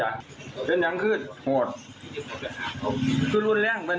แล้วพ่อบอกว่าลูกก็ไม่ได้มีเรื่องกับใคร